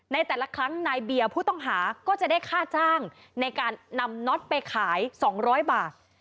ในแต่ละครั้งนายเบียร์ผู้ต้องหาก็จะได้ค่าจ้างในการนำน็อตไปขาย๒๐๐บาท